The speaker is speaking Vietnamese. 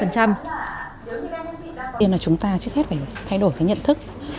chúng ta trước hết phải thay đổi cái nhận thức